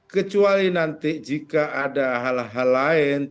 kecuali nanti jika ada hal hal lain